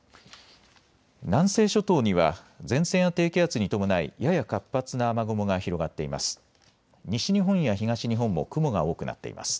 南西諸島には前線や低気圧に伴いやや活発な雨雲が広がっています。